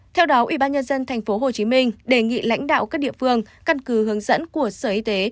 theo đó ubnd tp hcm đề nghị lãnh đạo các địa phương căn cứ hướng dẫn của sở y tế